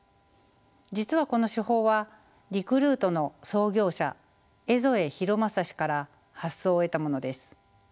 実はこの手法はリクルートの創業者江副浩正氏から発想を得たものです。